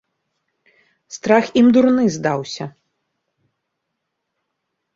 Страх ім дурны здаўся.